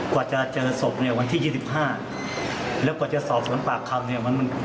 กว่าจะเจอศพเนี้ยวันที่ยี่สิบห้าแล้วกว่าจะสอบสวนปากคำเนี้ยมันมัน